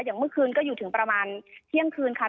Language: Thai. อย่างเมื่อคืนก็อยู่ถึงประมาณเที่ยงคืนค่ะ